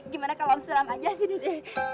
gimana kalau om sulam aja sih nih deh